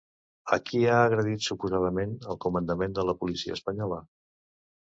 A qui ha agredit suposadament el comandament de la policia espanyola?